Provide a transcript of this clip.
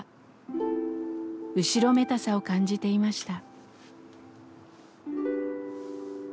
後ろめたさを感じていました。